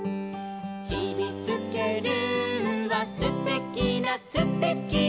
「ちびすけルーはすてきなすてきな」